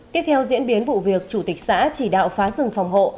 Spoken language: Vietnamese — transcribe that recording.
tiếp theo diễn biến vụ việc chủ tịch xã chỉ đạo phá rừng phòng hộ